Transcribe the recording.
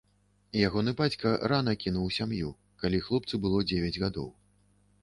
Ягоны бацька рана кінуў сям'ю, калі хлопцу было дзевяць гадоў.